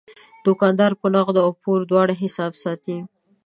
دوکاندار په نغدو او پور دواړو حساب ساتي.